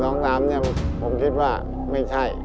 น้ำเนี่ยผมคิดว่าไม่ใช่